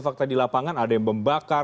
fakta di lapangan ada yang membakar